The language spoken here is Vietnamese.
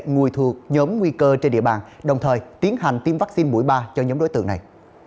phù hợp nhóm nguy cơ trên địa bàn đồng thời tiến hành tiêm vắc xin mũi ba cho nhóm đối tượng này